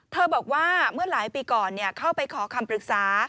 บอกว่าเมื่อหลายปีก่อนเข้าไปขอคำปรึกษา